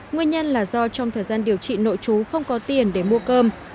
nguyên nhân là do trong thời gian điều trị nội trú không có tiền để mua cơm